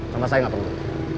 sama saya gak perlu